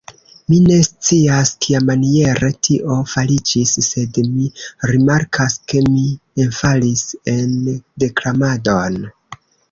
Mi ne scias, kiamaniere tio fariĝis, sed mi rimarkas, ke mi enfalis en deklamadon!